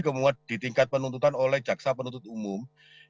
kemudian ditingkat penuntutan oleh jaksa penuntut umum